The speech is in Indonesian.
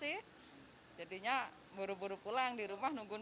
untuk mencapai nilai yang paling pekerjaan masatwo tuh revolusi janganlah saja mempertimbangkan